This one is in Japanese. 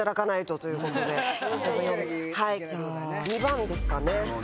２番ですかね。